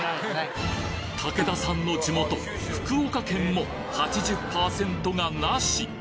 武田さんの地元・福岡県も８０％がナシ